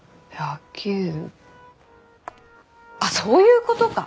あっそういう事か！